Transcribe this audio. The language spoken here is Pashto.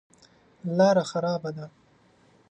لاره خرابه ده.